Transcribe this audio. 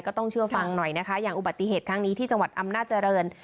ก็ต้องเชื่อฟังหน่อยนะคะอย่างอุบัติเหตุครั้งนี้ที่จังหวัดอำนาจริง